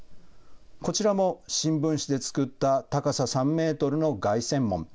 こちらも新聞紙で作った高さ３メートルの凱旋門。